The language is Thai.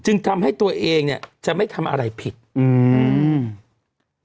ทำให้ตัวเองเนี้ยจะไม่ทำอะไรผิดอืม